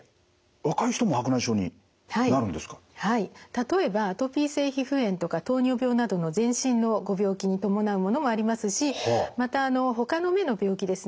例えばアトピー性皮膚炎とか糖尿病などの全身のご病気に伴うものもありますしまたほかの目の病気ですね